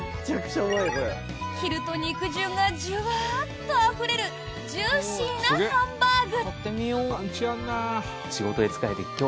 切ると肉汁がジュワッとあふれるジューシーなハンバーグ。